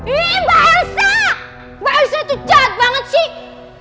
ih mbak elsa mbak elsa tuh jahat banget sih